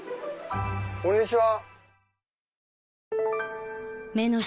こんにちは。